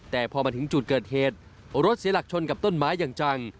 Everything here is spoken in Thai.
แต่พอมาถึงจุดเกิดเหตุรถเสียหลักชนกับต้นไม้อย่างจัง